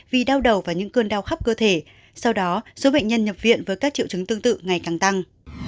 vì đau đầu và những cơn đau khóc cơ thể sau đó số bệnh nhân nhập viện với các triệu chứng tương tự ngày càng tăng